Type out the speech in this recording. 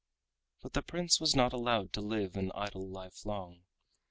But the Prince was not allowed to live an idle life long.